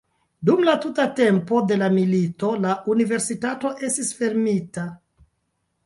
Dum la tuta tempo de la milito la universitato estis fermita.